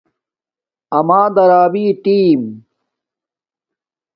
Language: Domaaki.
اَمݳ درݳبݵنݵئ ٹݵمݵئ.